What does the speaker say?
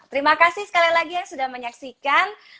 terima kasih sekali lagi yang sudah menyaksikan